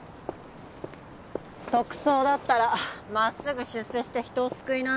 特捜だったら真っすぐ出世して人を救いな。